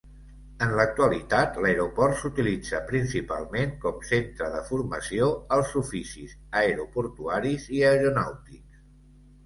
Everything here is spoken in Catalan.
En l'actualitat, l'aeroport s'utilitza principalment com centre de formació als oficis aeroportuaris i aeronàutics.